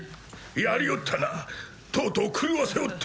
やりおったなとうとう狂わせおって！